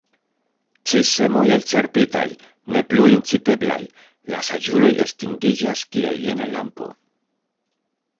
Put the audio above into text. Ĉi semoj elĉerpitaj, ne plu inciteblaj, la saĝuloj estingiĝas kiel jena lampo.